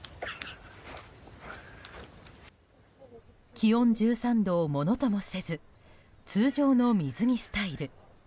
気温１３度をものともせず通常の水着スタイル。